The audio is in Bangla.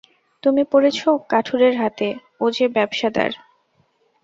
তুমি পড়েছ কাঠুরের হাতে, ও যে ব্যাবসাদার।